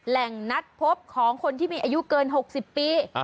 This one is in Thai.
แหล่งนัดพบของคนที่มีอายุเกิน๖๐ปี